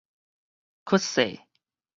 屈勢